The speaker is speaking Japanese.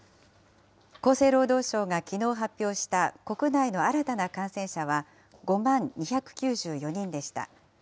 厚生労働省がきのう発表した国内の新たな感染者は、５万２９４人でした。